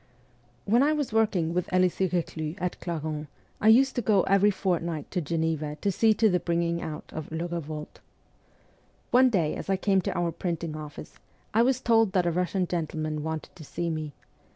When I was working with Elisee Keclus at Clarens I used to go every fortnight to Geneva to see to the bringing out of ' Le RevolteV One day as I came to our printing office, I was told that a Russian gentleman wanted to see me.